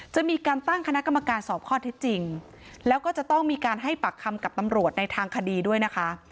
จะมีการตั้งคณะกรรมการสอบข้อเท็จจริงแล้วก็จะต้องมีการให้ปากคำกับตำรวจในทางคดีด้วยนะคะ